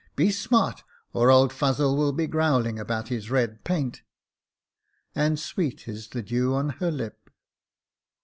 Be smart, or old Fuzzle will be growling about his red paint. " And sweet is the dew on her lip."